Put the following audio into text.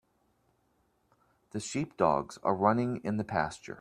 The sheepdogs are running in the pasture.